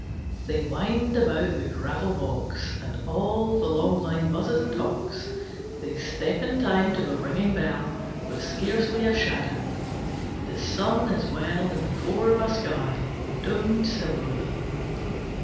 They wind about the gravel walks And all the long line buzzes and talks. They step in time to the ringing bell, With scarcely a shadow. The sun is well In the core of a sky Domed silverly.